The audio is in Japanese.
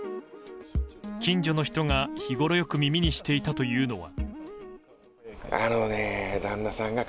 近所の人が日ごろよく耳にしてたというのは。